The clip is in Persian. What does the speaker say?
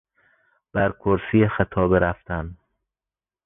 بر کرسی خطابه رفتن